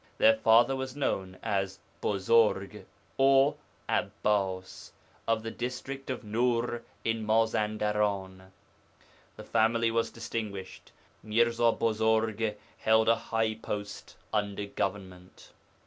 Their father was known as Buzurg (or, Abbas), of the district of Nūr in Mazandaran. The family was distinguished; Mirza Buzurg held a high post under government.